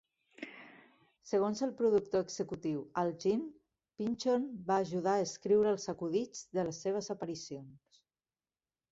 Segons el productor executiu Al Jean, Pynchon va ajudar a escriure els acudits de les seves aparicions.